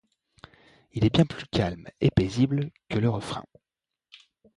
Il est bien plus calme et paisible que le refrain.